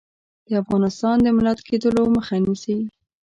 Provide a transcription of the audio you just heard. د افغانستان د ملت کېدلو مخه نیسي.